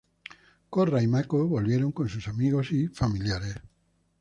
Korra y Mako volvieron con sus amigos y familiares.